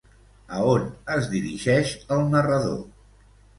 A on es dirigeix el narrador?